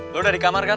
lo udah di kamar kan